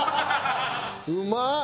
うまっ！